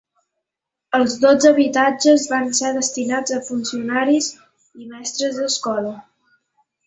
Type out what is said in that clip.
Els dotze habitatges van ser destinats a funcionaris i mestres d'escola.